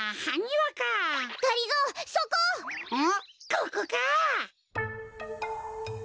ここか！